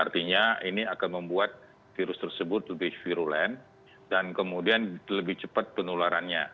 artinya ini akan membuat virus tersebut lebih virulen dan kemudian lebih cepat penularannya